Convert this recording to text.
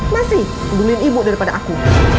mas sih gunain ibu daripada aku